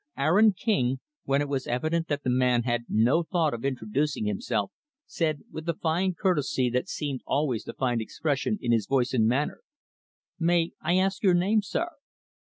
Aaron King when it was evident that the man had no thought of introducing himself said, with the fine courtesy that seemed always to find expression in his voice and manner, "May I ask your name, sir?"